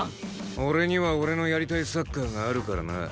俺には俺のやりたいサッカーがあるからな。